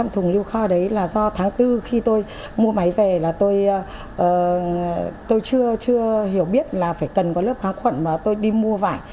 thùng lưu kho đấy là do tháng bốn khi tôi mua máy về là tôi chưa hiểu biết là phải cần có lớp kháng khuẩn mà tôi đi mua vải